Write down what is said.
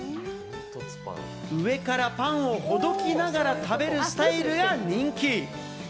上からパンをほどきながら食べるスタイルが人気。